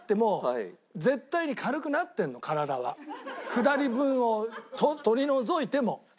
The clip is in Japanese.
あれは下り分を取り除いても。